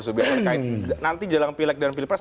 supaya berkaitan nanti jalan pileg dan pilpres